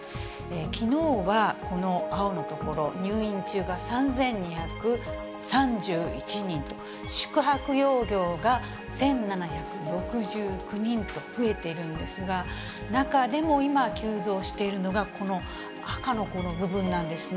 きのうはこの青のところ、入院中が３２３１人と、宿泊療養が１７６９人と増えているんですが、中でも今、急増しているのが、この赤のこの部分なんですね。